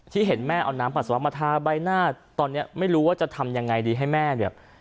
เห็นแม่เอาน้ำปัสสาวะมาทาใบหน้าตอนนี้ไม่รู้ว่าจะทำยังไงดีให้แม่เนี่ย